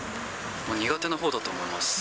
苦手なほうだと思います。